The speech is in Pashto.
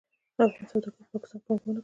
افغان سوداګرو په پاکستان پانګونه کړې.